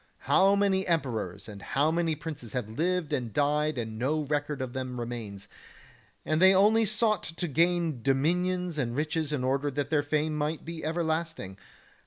How many emperors and how many princes have lived and died and no record of them remains, and they only sought to gain dominions and riches in order that their fame might be ever lasting.